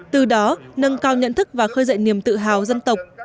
từ đó nâng cao nhận thức và khơi dậy niềm tự hào dân tộc